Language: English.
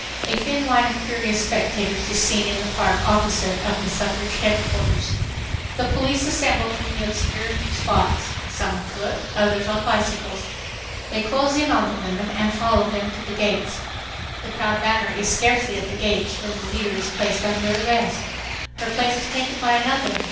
A thin line of curious spectators is seen in the park opposite the suffrage headquarters. The police assemble from obscure spots; some afoot, others on bicycles. They close in on the women and follow them to the gates. The proud banner is scarcely at the gates when the leader is placed under arrest. Her place is taken by another.